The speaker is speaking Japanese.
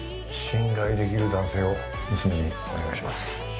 信頼できる男性を娘にお願いします